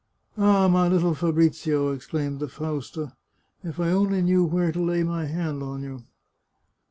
" Ah, my little Fabrizio," exclaimed the Fausta, " if I only knew where to lay my hand on you